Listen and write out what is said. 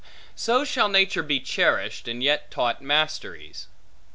So shall nature be cherished, and yet taught masteries.